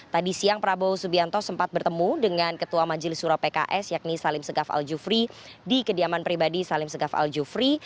tadi siang prabowo subianto sempat bertemu dengan ketua majelis surah pks yakni salim segaf al jufri di kediaman pribadi salim segaf al jufri